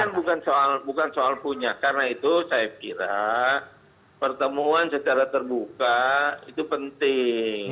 bukan soal punya karena itu saya kira pertemuan secara terbuka itu penting